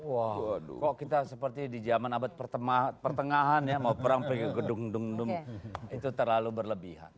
wah kok kita seperti di zaman abad pertengahan ya mau perang pergi ke gedung gedung itu terlalu berlebihan